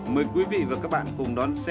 mời quý vị và các bạn cùng đón xem